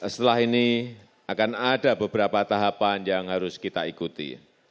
setelah ini akan ada beberapa tahapan yang harus kita ikuti